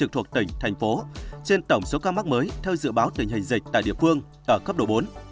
thuộc tỉnh thành phố trên tổng số ca mắc mới theo dự báo tình hình dịch tại địa phương ở cấp độ bốn